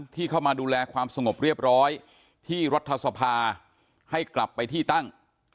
ที่เข้ามาดูแลความสงบเรียบร้อยที่รัฐสภาให้กลับไปที่ตั้ง